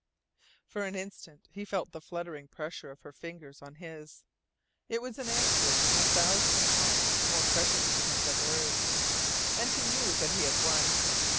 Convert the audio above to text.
For an instant he felt the fluttering pressure of her fingers on his. It was an answer a thousand times more precious to him than words, and he knew that he had won.